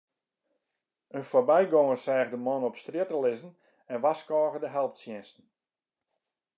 In foarbygonger seach de man op strjitte lizzen en warskôge de helptsjinsten.